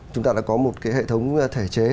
chúng ta đã có một cái hệ thống thể chế